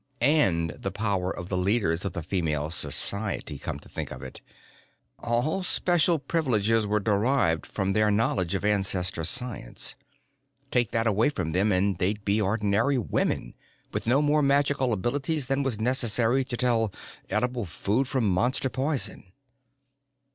And the power of the leaders of the Female Society, come to think of it. All special privileges were derived from their knowledge of Ancestor science. Take that away from them, and they'd be ordinary women with no more magical abilities than was necessary to tell edible food from Monster poison.